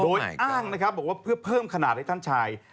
โดยอ้างนะครับบอกว่าเพื่อเพิ่มขนาดให้ท่านชาย